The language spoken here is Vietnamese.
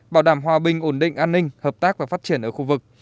bảo đảm hòa bình ổn định an ninh hợp tác và phát triển ở khu vực